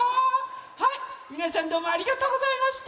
はいみなさんどうもありがとうございました！